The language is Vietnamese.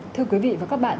thưa quý vị và các bạn